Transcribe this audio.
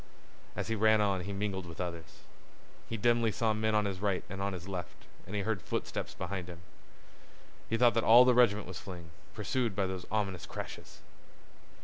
As he ran on he mingled with others. He dimly saw men on his right and on his left, and he heard footsteps behind him. He thought that all the regiment was fleeing, pursued by those ominous crashes.